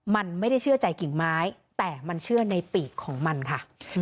มันไม่ได้เชื่อใจกิ่งไม้แต่มันเชื่อในปีกของมันค่ะ